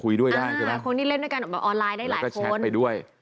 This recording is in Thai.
คุยด้วยได้ใช่ไหมคนที่เล่นด้วยกันแบบออนไลน์ได้หลายคนแล้วก็แชทไปด้วย